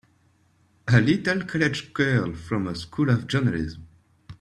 A little college girl from a School of Journalism!